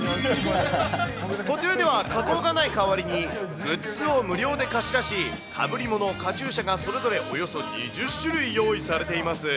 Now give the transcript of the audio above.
こちらでは加工がない代わりに、グッズを無料で貸し出し、かぶり物、カチューシャがそれぞれおよそ２０種類用意されています。